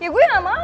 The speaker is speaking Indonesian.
ya gue gak mau